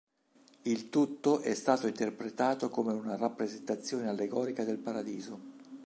Il tutto è stato interpretato come una rappresentazione allegorica del Paradiso.